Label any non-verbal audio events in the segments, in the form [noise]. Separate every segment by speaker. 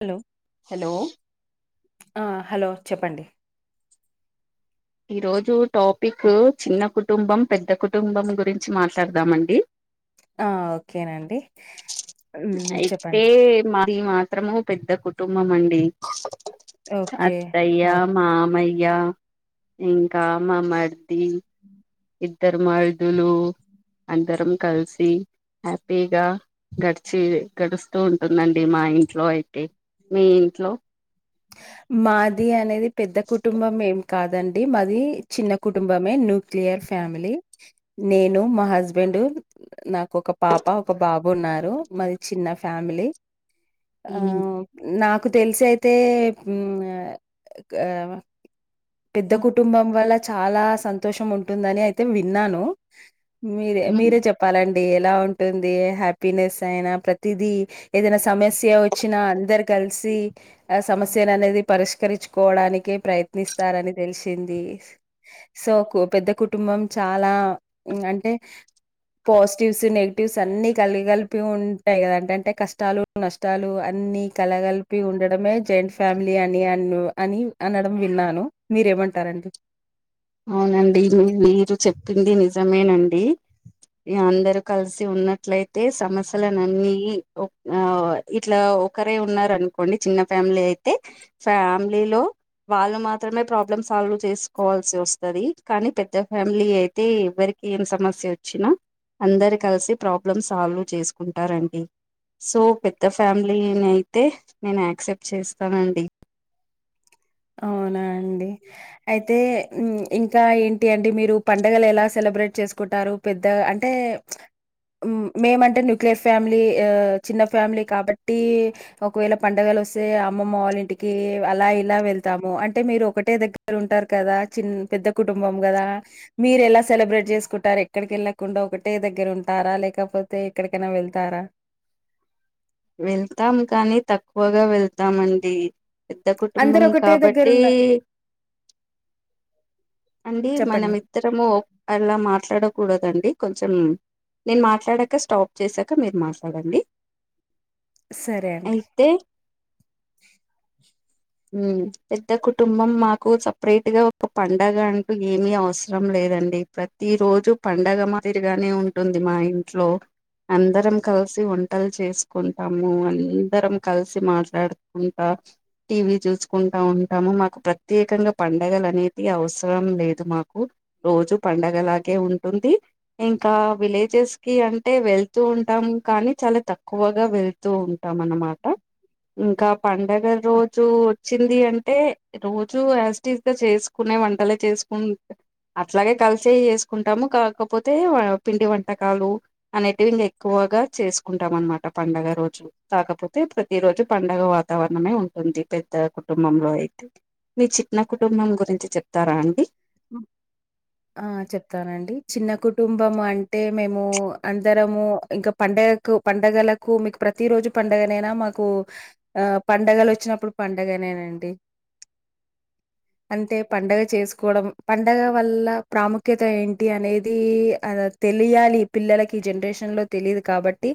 Speaker 1: Hello
Speaker 2: hello
Speaker 1: ఆ hello చెప్పండి
Speaker 2: ఈ రోజు టాపిక్ చిన్న కు కుటుంబం పెద్ద కుటుంబం గురించి మాట్లాడదామ అండి
Speaker 1: ఆ ఓకేనండి చెప్పండి
Speaker 2: ది మాత్రము పెద్ద కుటుంబం అండి
Speaker 1: ఓకే
Speaker 2: అత్తయ్య
Speaker 1: ఆ
Speaker 2: మామయ్య య ఇంకా మా మర్ది ఇద్దరు మరుదులు అందరం కలిసి హ్యాపీగా గడిచి గడుస్తూ ఉంటుందండి మా మా ఇంట్లో అయితే మీ ఇంట్లో
Speaker 1: మాది అనేది పెద్ద కుటుంబం ఏ కాదండి మాది చిన్న కుటుంబమే న్యూక్లియర్ ఫ్యామిలీ నేను మా హస్బెండ్ డు నాకు ఒక పాప ఒక బాబు ఉన్నారు మాది చిన్న ఫ్యామిలీ ఆ నాకు తెలిసైతే పెద్ద కుటుంబం వల్ల చాలా సంతోషం ఉంటుందని అయితే విన్నాను మీరే మీరే చెప్పాలండి ఎలా ఉంటుంది హ్యాపీనెస్ అయినా ప్రతిది ఏదైనా సమస్య వచ్చినా అందరి కలిసి ఆ సమస్య సేన్ అనేది పరిష్కరించుకోవడానికే ప్రయత్నిస్తారని తెలిసింది సో పెద్ద కుటుంబం చాలా అంటే పాజిటివ్స్ నెగిటివ్స్ అన్ని కలగలిపి ఉంటాయి కదా అండి అంటే కష్టాలు నష్టాలు అ అన్ని కలగలిపి ఉండడమే జెంట్స్ ఫ్యామిలీ అని అన్న అని అనడం విన్నాను మీరేమంటారండి
Speaker 2: అవునండి మీ మీరు చెప్పింది నిజమేనండి ఇక అందరు కలిసి ఉన్నట్లయితే సమస్యలనన్ని ఓ ఆ ఇట్లా ఒకరే ఉన్నారనుకోండి, చిన్న ఫ్యామిలీ అయితే ఫ్యామిలీలో వాళ్ళు మాత్రమే ప్రాబ్లమ్ సాల్వ్ చేసుకోవాల్సి వస్తాది. తది కానీ పెద్ద ఫ్యామిలీ అయితే ఎవరికి ఏం సమస్య వచ్చినా అందరూ కలిసి ప్రాబ్లం సాల్వ్ చేసుకుంటారండి. సో పెద్ద ఫ్యామిలీనైతే నేను యాక్సెప్ట్ చేస్తానండి.
Speaker 1: అవునా అండి, అయితే ఇంకా ఏంటి అండి మీరు పండగలు ఎలా సెలెబ్రేట్ చేసుకుంటారు పెద్ద అంటే పెద్ద మేమ్ అంటే న్యూక్లియర్ ఫ్యామిలీ చిన్న ఫ్యామిలీ కాబట్టి ఒకవేళ పండుగలు వస్తే అమ్మమ్మ వాళ్ళ ఇంటికి, అలా ఇలా వెళుతాము. అంటే మీరు ఒకటే దగ్గర ఉంటారు కదా? పెద్ద కుటుంబం కదా మీరు ఎలా సెలబ్రేట్ చేసుకుంటారు. ఎక్కడికి వెళ్ళకుండా ఒకటే దగ్గర ఉంటారా? లేకపోతే ఎక్కడికైనా వెళ్తారా?
Speaker 2: వెళ్తాం కానీ తక్కువగా వెళ్తామండి. పెద్ద
Speaker 1: అందరు
Speaker 2: కుటుంబం
Speaker 1: ఒకటే దగ్గర
Speaker 2: కాబట్టి
Speaker 1: ఉన్న
Speaker 2: అండి
Speaker 1: చెప్పండి
Speaker 2: మనమిద్దరము అలా మాట్లాడ కూడదండి. కొంచెం నేను మాట్లాడాక స్టాప్ చేసాక మీరు మాట్లాడండి.
Speaker 1: సరే అండి.
Speaker 2: అయితే మ్ పెద్ద కుటుంబం మాకు సెపరేట్ గా ఒక పండుగ అంటూ ఏమీ అవసరం లేదండి. ప్రతి రోజు పండగ మాదిరిగానే ఉంటుంది మా ఇంట్లో ఇంట్లో అందరం కలిసి వంటలు చేసుకుంటాము. అందరం కలిసి మాట్లాడుకుంటాము. టీవీ చూసుకుంటా ఉంటాము మాకు ప్రత్యేకంగా పండగలు అనేవి అవసరం లేదు మాకు. రోజూ పండగలాగే ఉంటుంది. ఇంకా విలేజెస్ కి అంటే తక్కువ వెళ్తూ ఉంటాం కానీ తక్కువ గా వెళ్తూ ఉంటాం అన్నమాట. ఇంకా పండగ రోజు వచ్చింది అంటే రోజు యాజ్ టీజ్ గా చేసుకునే వంటలే చేసుకుంటాము. అట్లాగే కలిసే చేసుకుంటాము. కాకపోతే పిండి వంటకాలు అనేటివి ఇంకా ఎక్కువ. ఎక్కువగా చేసుకుంటాం అన్నమాట. పండగ రోజు కాకపోతే ప్రతి రోజు పండగ వాతావరణమే ఉంటుంది. పెద్ద కుటుంబంలో అయితే. మీ చిన్న కుటుంబం గురించి చెప్తారా అండి.
Speaker 1: ఉ ఆ చెప్తానండి చిన్న కుటుంబం అంటే మేము అందరము ఇంకా పండుగ పండుగ కు, పండుగలకు మీకు ప్రతి రోజూ పండగనేనా మాకు పండగలు వచ్చినప్పుడు పండుగ పండుగనేనండి.
Speaker 2: [inaudible]
Speaker 1: అంతే పండగ చేసుకోవడం పండగ వల్ల ప్రాముఖ్యత ఏంటి అనేది తెలియాలి పిల్లలకి జనరేషన్ తెలియదు కాబట్టి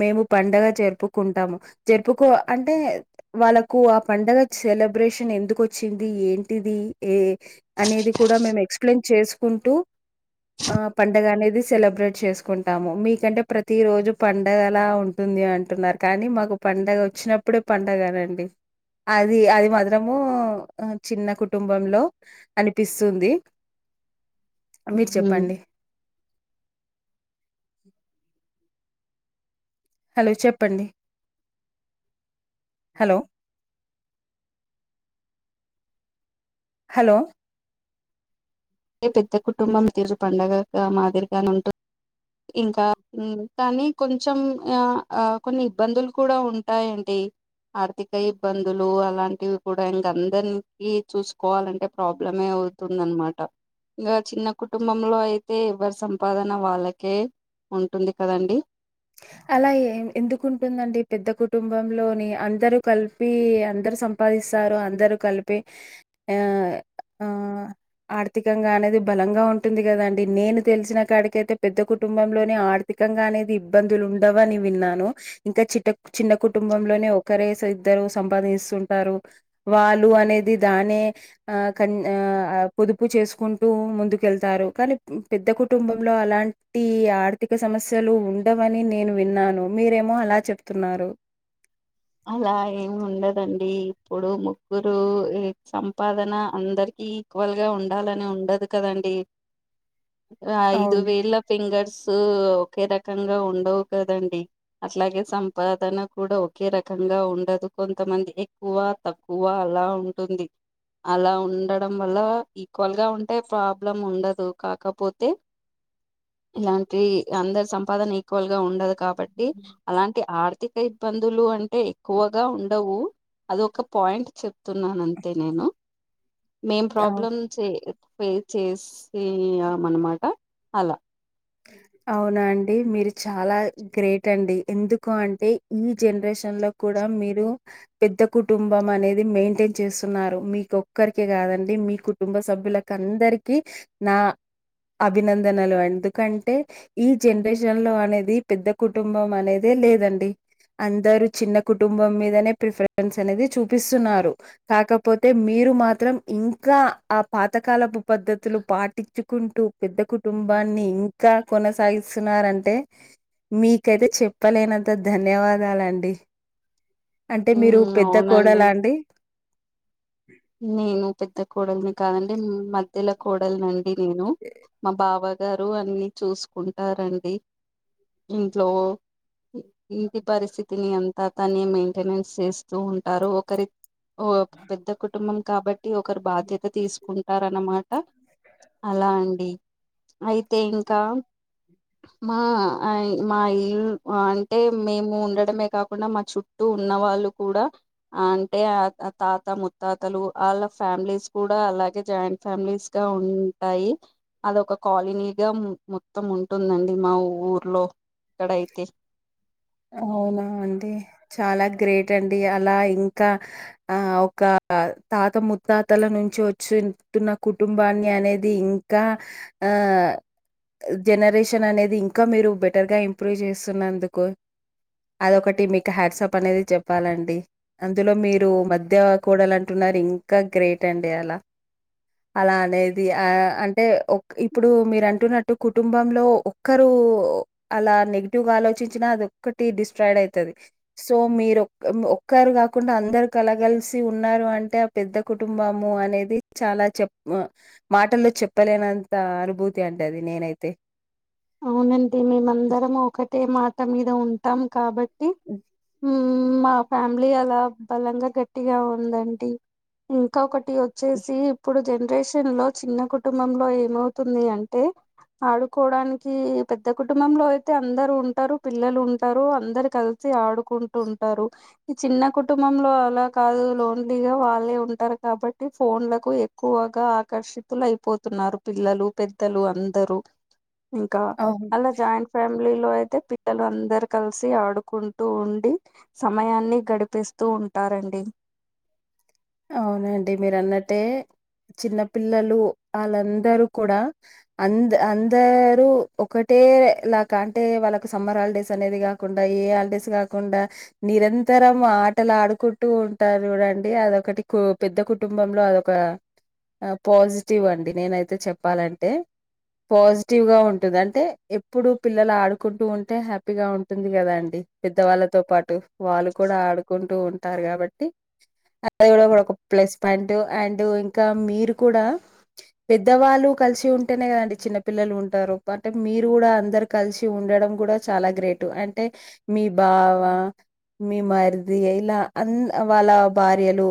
Speaker 1: మేము పండగ జరుపుకుంటాము. జరుపుకో అంటే వాళ్ళలకు ఆ పండగ సెలబ్రేషన్ ఎందుకు వచ్చింది, ఏంటిది ఏ అనేది కూడా మేము ఎక్స్ప్లెయిన్ చేసుకుంటూ ఆ పండగ అనేది సెలబ్రేట్ చేసుకుంటాము. మీకంటే ప్రతి రోజు పండగ అలా ఉంటుంది. ఉంది అంటున్నారు కానీ, మాకు పండగ వచ్చినప్పుడే పండగనండి. అది మాత్రము చిన్న కుటుంబంలో అనిపిస్తుంది. మీరు చెప్పండి.
Speaker 2: మీ
Speaker 1: [inaudible] హలో చెప్పండి హలో! హలో
Speaker 2: అదే పెద్ద కుటుంబం తీరు పండుగగా మాదిరిగానుంటుంది ఇంకా కానీ కొంచెం ఆ ఆ కొన్ని ఇబ్బందులు కూడా ఉంటాయండి ఆర్థిక ఇబ్బందులు అలాంటివి కూడా ఇంకా అందరికి చూసుకోవాలంటే ప్రాబ్లమ వుతుందనమాట ఇంకా చిన్న కుటుంబంలో అయితే ఎవరి సంపాదన వాళ్ళకే ఉంటుంది కదండి
Speaker 1: అలా ఎందుకుంటుందండి పెద్ద కుటుంబంలోని అందరు కలిపి అందరు సంపాదిస్త రు అందరు కలిపి ఆ ఆ ఆర్థికంగా అనేది బలంగా ఉంటుంది కదండి నేను తెలిసిన కాడికయితే పెద్ద కుటు కుటుంబంలోనే ఆర్థికంగా అనేది ఇబ్బందులు ఉండవని విన్నాను ఇంకా చి చిన్న కుటుంబంలోనే ఒకరేసి ఇద్దరు సంపాది కుంటారు వాళ్ళు అనేది దానే పొదుపు చేసుకుంటూ ముందుకెళ్తారు కానీ పెద్ద కుటుంబంలో అలాంటి ఆర్థిక సమస్యలు ఉన్ ఉండవని నేను విన్నాను మీరేమో అలా చెప్తున్నారు
Speaker 2: అలా ఏమి ఉండదండి ఇప్పుడు ముగ్గురు సంపాదన అందరికి ఈక్వల్ గా ఉండాలని ఉండదు కదండి ఐదు
Speaker 1: అవును.
Speaker 2: వేల ఫింగర్స్ ఒకే రకంగా ఉండవు కదండి అట్లాగే సంపాదన కూడా ఒకే రకంగా ఉండదు కొంతమంది ఎక్కువ తక్కువ అలా ఉంటుంది అలా ఉండడం వల్ల ఈక్వల్ గా ఉంటే ప్రాబ్లం ఉండదు కాకపోతే ఇలాంటి అందరు సంపాదన ఈక్వల్ గా ఉండదు కాబట్టి అలాంటి ఆర్థిక ఇబ్బందులు అంటే ఎక్కువగా ఉండవు అదొక పాయింట్ చెప్తున్నాను అంతే నేను మేం
Speaker 1: అవును.
Speaker 2: ప్రాబ్లమ్స్ ఫేస్ చేసి ఆ అన్నమాట అలా
Speaker 1: అవునా అండి మీరు చాలా గ్రేట్ అండి ఎందుకు అంటే ఈ జనరేషన్ లో కూడా మీరు పెద్ద కుటుంబం అనేది మెయింటైన్ చేస్తున్నారు మీకు ఒక్కరికే కదండి మీ కుటుంబ సభ్యులకు అందరికి నా అభినందనలు ఎందుకు కంటే ఈ జనరేషన్ లో అనేది పెద్ద కుటుంబం అనేదే లేదండి అందరు చిన్న కుటుంబం మీదనే ప్రిఫరెన్స్ అనేది చూపిస్తున్నారు కాకపోతే మీరు మాత్రం ఇంకా ఆ పాతకాలపు పద్దతులు పాటించుకుంటూ పెద్ద కుటుంబా న్ని ఇంకా కొనసాగిస్తున్నారంటే మీకైతే చెప్పలేనంత ధన్యవాదాలండి అంటే మీరు
Speaker 2: ఉమ్
Speaker 1: పెద్ద
Speaker 2: అవునండి
Speaker 1: కోడలా అండి
Speaker 2: కోడలిని కాదండి మధ్యలో కోడలినిండి నేను మా బావా గారు అన్ని చూసుకుంటారండి ఇంట్లో ఇంటి పరిస్థితిని అంతా తనే మెయింటెనెన్స్ చేస్తూ ఉంటారు ఒకరి ఓ పెద్ద కుటుంబం కాబట్టి ఒకరు బాధ్యత తీసుకుంటారన్నమాట అలా అండి అయితే ఇంకా మా మా ఇల్లు అంటే మేము ఉండడమే కాకుండా మా చుట్టూ ఉన్న వాళ్ళు కూడా అంటే ఆ తాత ము త్తాతలు వాళ్ళ ఫ్యామిలీస్ కూడా అలాగే జాయింట్ ఫ్యామిలీస్ గా ఉంటాయి అదొక కాలనీగా మొత్తం ఉంటుందండి మా ఊర్లో ఇక్కడ అయితే
Speaker 1: అవునా అండి చాలా గ్రేట్ అండి అలా ఇంకా ఆ ఒక తాత ముత్తాతల నుంచి వచ్చితున్న కుటుంబాన్ని అనేది ఇంకా ఆహ్, జనరేషన్ అనేది ఇంక మీరు బెటర్ గా ఇంప్రూవ్ జేస్తున్నందుకు అదొకటి మీకు హ్యాట్సప్ అనేది చెప్పాలండి, అందులో మీరు మధ్య కోడలంటున్నరు ఇం ఇంకా గ్రేట్ అండి అలా అలానేది ఆ అంటే ఒక్ ఇప్పుడు మీరంటున్నట్టు కుటుంబంలో ఒక్కరు కూ అలా నెగిటివ్ గ ఆలోచించినా అదొక్ ఒకటి డిస్ట్రాయిడ్ అయితది సో మీరు ఒక్ ఒక్కరు గాకుండా అందరు కలగలిసి ఉన్నారు రు అంటే ఆ పెద్ద కుటుంబము అనేది చాలా చెప్ మాటల్లో చెప్పలేనంత అనుభూతి అంటది నేనైతే
Speaker 2: అవునండి మేమందరం ఒకటే మాట మీద ఉంటాం కాబట్
Speaker 1: ఉ
Speaker 2: మా ఫ్యామిలీ అలా బలంగా గట్టిగా ఉందండి ఇంక ఒకటి
Speaker 1: హ్మ్.
Speaker 2: వచ్చేసి ఇప్పుడు జనరేషన్ లో చిన్న కుటుంబంలో ఏమవుతుంది అంటే ఆడుకోడానిక్ కీ పెద్ద కుటుంబంలో అయితే అందరు ఉంటరు పిల్లలు ఉంటరూ అందరు కలిసి ఆడుకుంటుం టరు ఈ చిన్న కుటుంబంలో అలా కాదు లోన్లీగా వాళ్ళే ఉంటరు కాబట్టి ఫోన్లక్ కు ఎక్కువగా ఆకర్షితులయిపోతున్నారు పిల్లలు పెద్దలు అందరూ ఇంకా
Speaker 1: అవును.
Speaker 2: అలా జాయింట్ ఫ్యామిల్ లిలో అయితే పిల్లలు అందరు కలిసి ఆడుకుంటూ ఉండి సమయాన్ని గడిపేస్తూ ఉన్ ఉంటారండి
Speaker 1: అవునండి మీరన్నట్టే చిన్న పిల్లలు ఆళ్ళందరూ కూడా అంద్ అందరూ ఒకటే ఏ లాక అంటే వాళ్ళకు సమ్మర్ హాలిడేస్ అనేది గాకుండా ఏ హాలిడేస్ గాకుండా నిరంత తరం ఆటలు ఆడుకుంటూ ఉంటారు చూడండి అదొకటి కు పెద్ద కుటుంబంలో అదొక పాజిటివ్ అండి నేనైతే చెప్పాలంటే పాజిటివ్ గా ఉంటది అంటే ఎప్పుడు పిల్లలాడుకుంటూ ఉంటే హ్యాపీగా ఉంటుంది గదా అండి పెద్దవాళ్ళతో పాటు వాళ్ళు కూడా ఆడుకుంటూ ఉంటారు గాబట్టి అది గుడ మనక్ ఒక ప్లస్ పాయింట్ అండ్ ఇంకా మీరు కూడా పెద్దవాళ్ళు కలిసి ఉంటేనే గదండి చిన్న పిల్లలు ఉంటరు బట్ మీరు గూడ అందరు కలిసి ఉండడం గూడ చాలా గ్రేట్ అంట్ టే మీ బావ మీ మర్ది ఇగ ఇలా అంద్ వాళ్ళ భార్ ర్యలు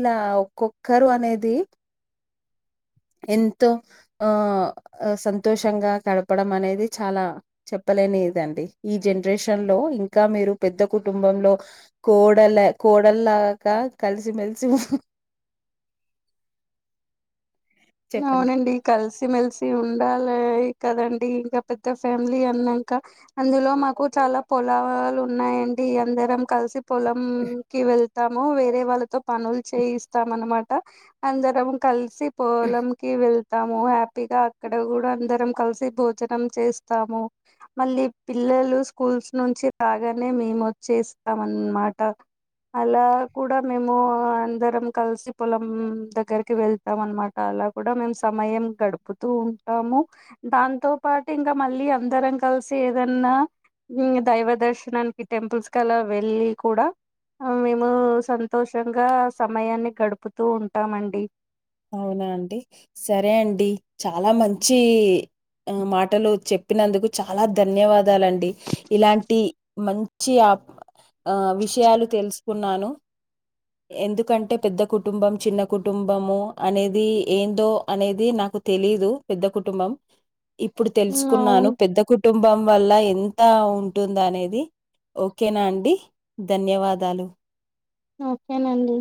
Speaker 1: ఇలా ఒక్కొక్కరు అనేది ఎంతో ఆ సంతోషంగా గడపడం అనేది చాలా చెప్పలే అనేదండి ఈ జనరేషన్ లో ఇంకా మీరు పెద్ద కుటుంబంలో కోడళ్ల కో కొడల్ ల్లాగ కలిసిమెలిసి చెప్పండి
Speaker 2: అవునండి కలిసి మెలిసి సి ఉండాలే కదండి ఇగ పెద్ద ఫ్యామిలీ అన్నంక అందులో మాకు చాలా పో లాలు ఉన్నాయండి అందరం కలిసి పొలం కి వెళ్ తము వేరే వాళ్ళతో పనులు చేయిస్తాం అన్నమాట అందరం కలిసి పోలం వెళ్తాము హ్యాపీగా అక్కడ గూడ అందరం కలిసి భోజనం చేస్తాము మళ్ళీ పిల్లలు స్కూల్స్ నుంచి రాగానే మేము వచ్చేస్తాం అన్నమాట అలా కూడా మేము అందరం కలిసి పొలం దగ్గరికి వెళ్తాం అన్నమాట అలా కూడ మేము సమయం గడుపుతూ ఉంటాము దాంతో పాటు ఇంకా మళ్ళీ అందరం కలిసి ఏదన్నా ఉమ్ దైవ దర్శనానికి టెంపుల్స్ కలా వెళ్ళి కూడా హ మేము సంతోషంగా సమయాన్ని గడుపుతూ ఉంటామండి
Speaker 1: అవునా అండి సరే అండి చాలా మంచి మాటలు చెప్పినందుకు చాలా ధన్యవాదాలండి ఇలాంటి మంచి ఆ ఆ విషయాలు తెలుసుకున్నాను ఎందుకంటే పెద్ద కుటుంబం చిన్న కుటుంబము అనేది ఏందో అనేది నాకు తెలీదు పెద్ద కుటుంబం ఇప్పుడు
Speaker 2: ఉమ్,
Speaker 1: తెలుసుకున్నాను
Speaker 2: అవును
Speaker 1: పెద్ద కుటుంబం వల్ల ఎంత ఉంటుంది అనేది ఓకేనా అండి ధన్యవాదాలు
Speaker 2: ఓకేనండి